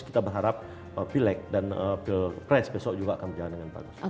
kita berharap pileg dan pilpres besok juga akan berjalan dengan bagus